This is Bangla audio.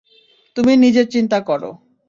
তুমি নিজের চিন্তা করো।